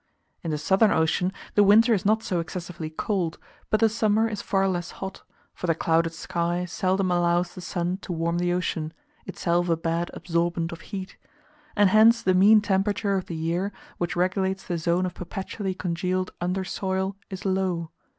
In the Southern Ocean the winter is not so excessively cold, but the summer is far less hot, for the clouded sky seldom allows the sun to warm the ocean, itself a bad absorbent of heat: and hence the mean temperature of the year, which regulates the zone of perpetually congealed under soil, is low.